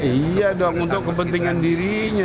iya dong untuk kepentingan dirinya